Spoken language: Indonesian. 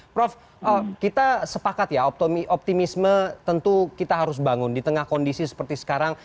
prof kita sepakat ya optimisme tentu kita harus bangun di tengah kondisi seperti sekarang